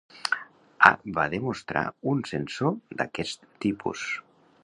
A va demostrar un sensor d'aquest tipus.